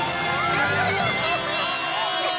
やった。